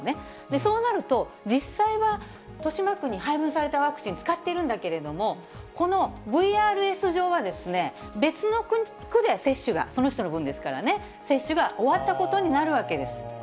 そうなると、実際は豊島区に配分されたワクチン、使っているんだけれども、このＶＲＳ上は、別の区で接種が、その人の分ですからね、接種が終わったことになるわけです。